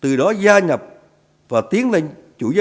từ đó gia nhập và tiến lên chủ giá trị thuận lợi